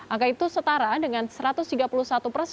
angka itu setara dengan rp satu ratus tiga puluh satu tiga miliar dolar as